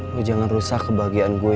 gue jangan rusak kebahagiaan gue